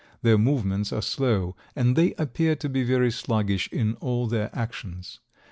Their movements are slow and they appear to be very sluggish in all their actions.